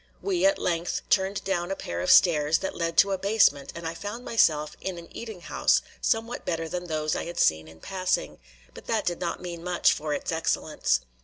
We, at length, turned down a pair of stairs that led to a basement and I found myself in an eating house somewhat better than those I had seen in passing; but that did not mean much for its excellence.